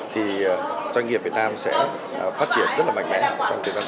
thì doanh nghiệp việt nam sẽ phát triển rất là mạnh mẽ trong thời gian tới